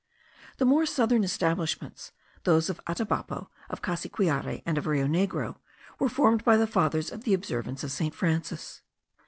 The more southern establishments, those of Atabapo, of Cassiquiare, and of Rio Negro, were formed by the fathers of the Observance of St. Francis.